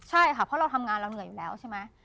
ใช่ค่ะเพราะเราทำงานเราเหนื่อยอยู่แล้วใช่ไหม